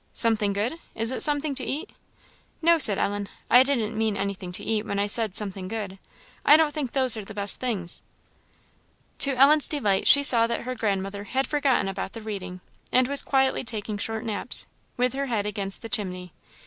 "Something good? is it something to eat?" "No," said Ellen "I didn't mean anything to eat when I said something good; I don't think those are the best things." To Ellen's delight, she saw that her grandmother had forgotten about the reading, and was quietly taking short naps, with her head against the chimney.